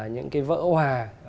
những cái vỡ hoà